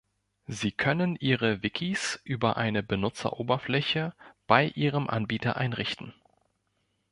Sie können ihre Wikis über eine Benutzeroberfläche bei ihrem Anbieter einrichten.